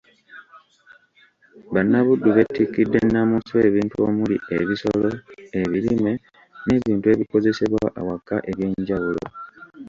Bannabuddu beetikkidde Nnamunswa ebintu omuli; ebisolo, ebirime n'ebintu ebikozesebwa awaka eby'enjawulo.